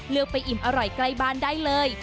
ไปอิ่มอร่อยใกล้บ้านได้เลย